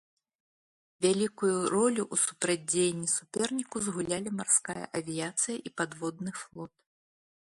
Вялікую ролю ў супрацьдзеянні суперніку згулялі марская авіяцыя і падводны флот.